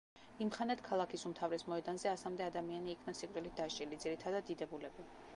იმხანად ქალაქის უმთავრეს მოედანზე ასამდე ადამიანი იქნა სიკვდილით დასჯილი, ძირითადად, დიდებულები.